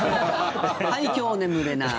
はい、今日眠れない。